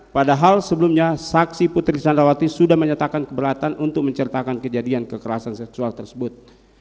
padahal sebelumnya saksi putri candrawati sudah menyatakan keberatan untuk menceritakan kejadian kekerasan seksual tersebut